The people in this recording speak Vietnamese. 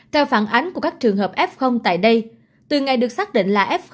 theo phản ánh của các trường hợp f tại đây từ ngày được xác định là f một